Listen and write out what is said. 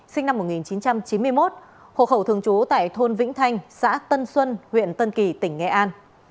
sinh năm một nghìn chín trăm chín mươi một hộ khẩu thường trú tại thôn vĩnh thanh xã tân xuân huyện tân kỳ tỉnh nghệ an